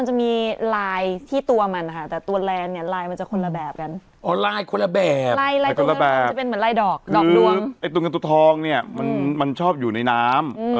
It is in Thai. ไอตัวกันตัวทองนี้มันชอบอยู่ในน้ำ